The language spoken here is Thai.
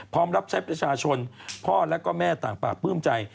พร้อมรับทรัพย์ประชาชนพ่อและแม่ต่างปากปลื้มใจ